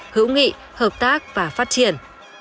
hữu nghị hợp tác và phát triển